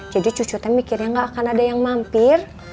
jadi cucu teh mikirnya nggak akan ada yang mampir